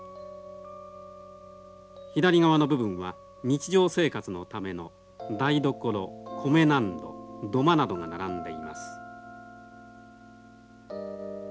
左側の部分は日常生活のための台所米納戸土間などが並んでいます。